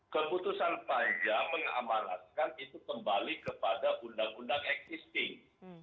keputusan panja mengamalkan itu kembali kepada undang undang eksisting